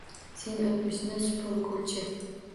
Sen o’tmishni supurguvchi